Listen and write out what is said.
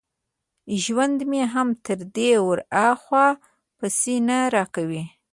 ژوند مې هم تر دې ور ها خوا پیسې نه را کوي